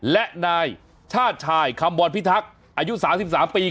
และนายชาติชายคำบรพิทักษ์อายุ๓๓ปี